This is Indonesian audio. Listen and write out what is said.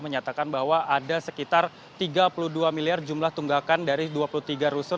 menyatakan bahwa ada sekitar tiga puluh dua miliar jumlah tunggakan dari dua puluh tiga rusun